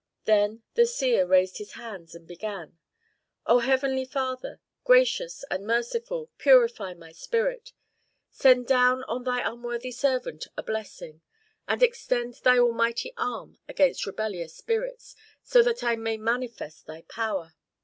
Then the seer raised his hands and began, "O Heavenly Father, gracious and merciful, purify my spirit. Send down on Thy unworthy servant a blessing, and extend Thy almighty arm against rebellious spirits, so that I may manifest Thy power.